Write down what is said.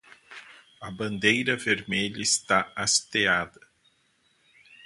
A bandeira vermelha está hasteada